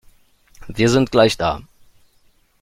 Wir sind gleich da.